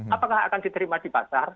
apakah akan diterima di pasar